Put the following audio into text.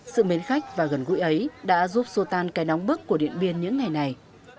sự mến khách và gần gũi ấy đã giúp xua tan cái nóng bức của điện biên những ngày này